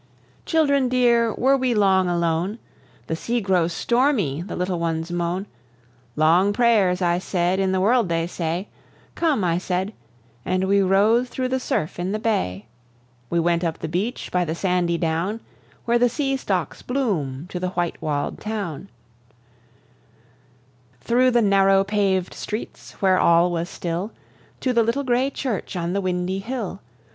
Children dear, were we long alone? "The sea grows stormy, the little ones moan; Long prayers," I said, "in the world they say; Come!" I said; and we rose through the surf in the bay. We went up the beach, by the sandy down Where the sea stocks bloom, to the white wall'd town; Through the narrow pav'd streets, where all was still, To the little gray church on the windy hill.